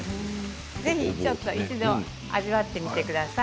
ぜひ一度、味わってみてください。